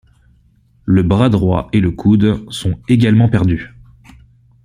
Le bras droit et le coude sont également perdus.